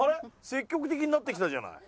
積極的になってきたじゃない。